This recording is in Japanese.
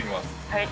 はい。